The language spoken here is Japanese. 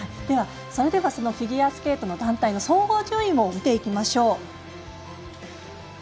それではこのフィギュアスケート団体の総合順位を見ていきましょう。